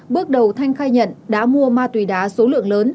bước đầu thanh khai nhận đã mua ma túy đá số lượng lớn